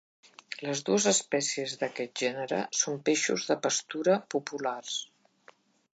Les dues espècies d'aquest gènere són peixos de pastura populars.